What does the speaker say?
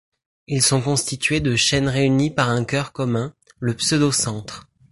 Ils sont constitués de chaînes réunies par un cœur commun, le pseudo-centre.